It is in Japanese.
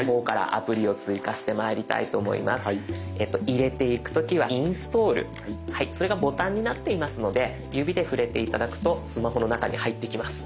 入れていく時はインストールそれがボタンになっていますので指で触れて頂くとスマホの中に入っていきます。